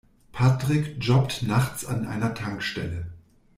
Patrick jobbt nachts an einer Tankstelle.